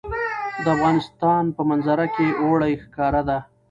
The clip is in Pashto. د افغانستان په منظره کې اوړي ښکاره ده.